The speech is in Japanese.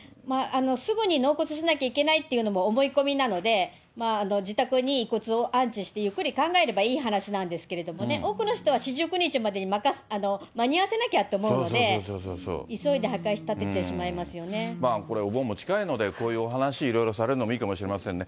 すぐに納骨しなきゃいけないっていうのも思い込みなので、まあ、自宅に遺骨を安置して、ゆっくり考えればいい話なんですけどね、多くの人は四十九日までに間に合わせなきゃって思うので、まあ、これ、お盆も近いので、こういうお話、いろいろされるのもいいかもしれませんね。